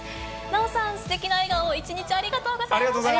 奈緒さん、すてきな笑顔を１日ありがとうございました。